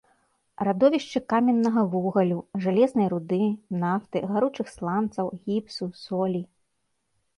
Радовішчы каменнага вугалю, жалезнай руды, нафты, гаручых сланцаў, гіпсу, солі.